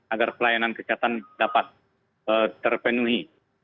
agar pelayanan kesehatan dapat terpenuhi